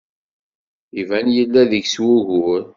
Iban yella deg-s wugur.